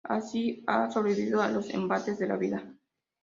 Así ha sobrevivido a los embates de la vida.